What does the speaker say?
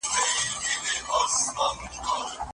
خلک د ارغنداب سیند غاړې ته د ارام لپاره ورځي.